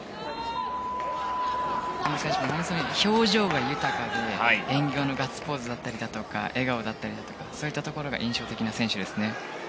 表情が豊かで演技後のガッツポーズだったり笑顔だったりそういったところが印象的な選手ですね。